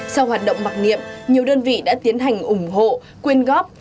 sau hoạt động mặc niệm nhiều đơn vị đã tiến hành ủng hộ quyên góp